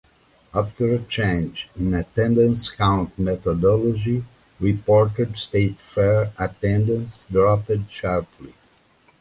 After a change in attendance count methodology, reported State Fair attendance dropped sharply.